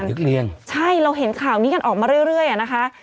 นักเรียนใช่เราเห็นข่าวนี้กันออกมาเรื่อยเรื่อยอ่ะนะคะ